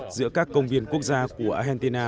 giữa các công viên quốc gia của argentina